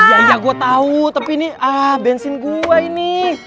iya iya gue tau tapi ini ah bensin gue ini